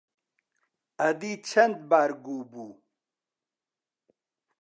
ئەدی چەند بار گوو بوو؟